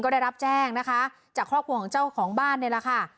ก็ได้รับแจ้งนะคะจากครอบครัวของเจ้าของบ้านนี่แหละค่ะ